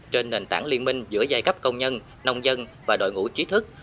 trên nền tảng liên minh giữa giai cấp công nhân nông dân và đội ngũ trí thức